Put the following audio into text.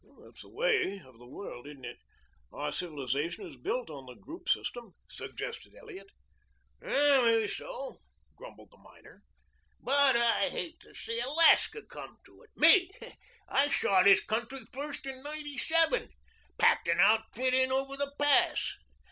"That's the way of the world, isn't it? Our civilization is built on the group system," suggested Elliot. "Maybeso," grumbled the miner. "But I hate to see Alaska come to it. Me, I saw this country first in '97 packed an outfit in over the Pass.